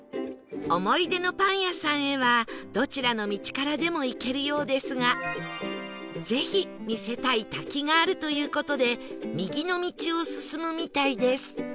思い出のパン屋さんへはどちらの道からでも行けるようですがぜひ見せたい滝があるという事で右の道を進むみたいです